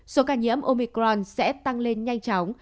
số ca nhiễm omicron sẽ tăng lên nhanh chóng